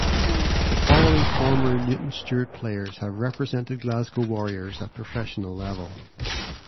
The following former Newton Stewart players have represented Glasgow Warriors at professional level.